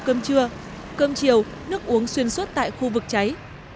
cơm trưa cơm chiều nước uống xuyên suốt tại khu vực cháy